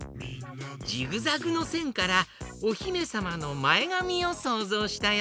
ジグザグのせんからおひめさまのまえがみをそうぞうしたよ。